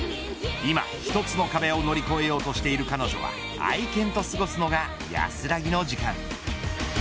今一つの壁を乗り越えようとしている彼女は愛犬と過ごすのが安らぎの時間。